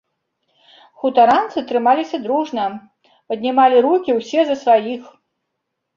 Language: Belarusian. Хутаранцы трымаліся дружна, паднімалі рукі ўсе за сваіх.